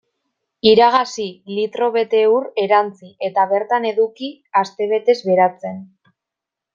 Iragazi, litro bete ur erantsi eta bertan eduki astebetez beratzen.